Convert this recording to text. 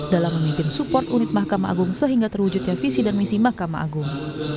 dalam memimpin support unit mahkamah agung sehingga terwujudnya visi dan misi mahkamah agung